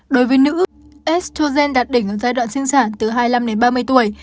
đối với nữ estogen đạt đỉnh ở giai đoạn sinh sản từ hai mươi năm đến ba mươi tuổi